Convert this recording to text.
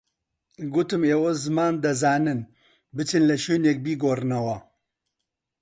گوتم ئێوە زمان دەزانن، بچن لە شوێنێک بیگۆڕنەوە